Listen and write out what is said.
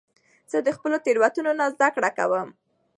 زه د خپلو تیروتنو نه زده کړه کوم.